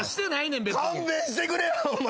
勘弁してくれよお前。